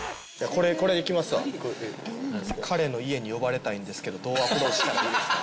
これこれいきますわ「彼の家に呼ばれたいんですけど、どうアプローチした方がいいですか？」